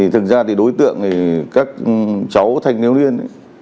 thực ra đối tượng là các cháu thành nếu liên